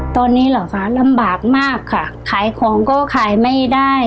ตอนนี้เหรอคะลำบากมากค่ะขายของก็ขายไม่ได้